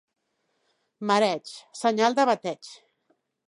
Mareig, senyal de bateig.